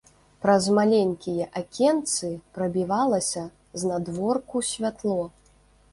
Праз маленькія акенцы прабівалася знадворку святло.